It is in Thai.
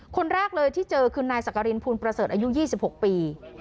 คนแรกเลยที่เจอคือนายสักกรินภูลประเสริฐอายุ๒๖ปี